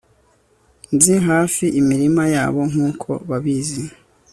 Nzi hafi imirima yabo nkuko babizi